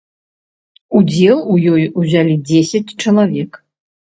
Удзел у ёй узялі дзесяць чалавек.